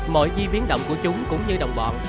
mọi di biến động của chúng cũng như đồng bọn